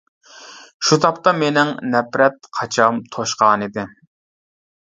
شۇ تاپتا مېنىڭ نەپرەت قاچام توشقانىدى.